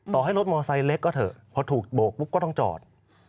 ให้รถมอไซคเล็กก็เถอะพอถูกโบกปุ๊บก็ต้องจอด